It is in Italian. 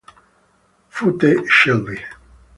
Foote, Shelby.